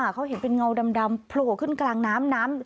เขาเห็นเป็นเงาดำโผล่ขึ้นกลางน้ำน้ำ